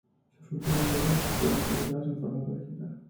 Sus últimas obras fueron publicadas en formato digital.